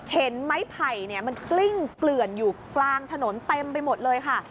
เห็นไม้ไผ่มันกลิ้งเกลื่อนอยู่กลางถนนเต็มไปหมดเลยค่ะ